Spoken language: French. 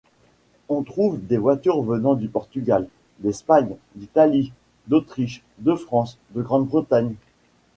On trouve des voitures venant du Portugal, d’Espagne, d’Italie, d’Autriche, de France, de Grande-Bretagne.